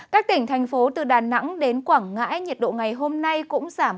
các tỉnh thành phố từ đà nẵng đến quảng ngãi nhiệt độ ngày hôm nay cũng giảm